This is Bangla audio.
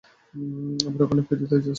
আবার ওখানে ফিরে যেতে বলিস না।